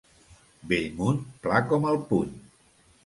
Bellmunt, pla com el puny.